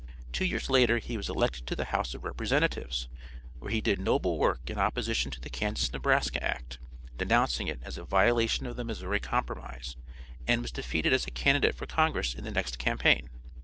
Two years later he was elected to the House of Representatives, where he did noble work in opposition to the Kansas Nebraska act, denouncing it as a violation of the Missouri Compromise, and was defeated as a candidate for congress in the next campaign.